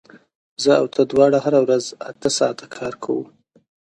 زه او ته دواړه هره ورځ اته ساعته کار کوو